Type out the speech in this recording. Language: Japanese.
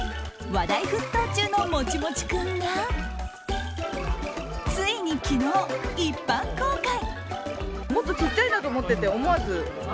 話題沸騰中の、もちもち君がついに昨日、一般公開。